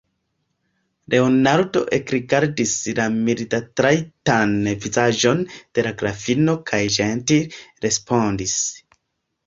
Leonardo ekrigardis la mildatrajtan vizaĝon de la grafino kaj ĝentile respondis: